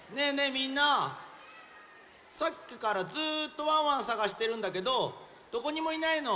みんなさっきからずっとワンワンさがしてるんだけどどこにもいないの。